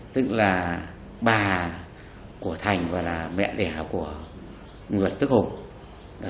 tức là bà của thành và là mẹ đẻ của nguyễn tức hùng